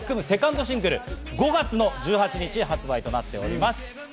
セカンドシングルは５月の１８日に発売となっております。